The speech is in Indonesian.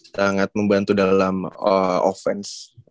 sangat membantu dalam offense